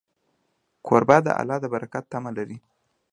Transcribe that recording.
کوربه د الله د برکت تمه لري.